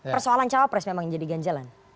persoalan cawapres memang yang jadi ganjalan